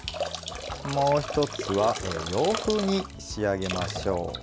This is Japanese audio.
もう１つは洋風に仕上げましょう。